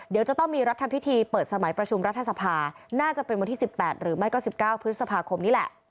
เดี๋ยวจะต้องมีรัฐพิธีเปิดสมัยประชุมรัฐสภาน่าจะเป็นวันที่๑๘หรือไม่ก็๑๙พฤษภาคมนี่แหละ